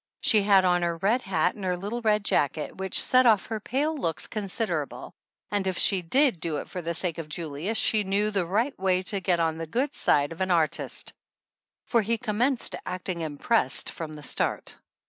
She had on her red hat and her little red jacket, which set off her pale looks considerable, and if she did do it for the sake of Julius she knew the right way to get on the good side of an artist, for he commenced acting impressed from the start.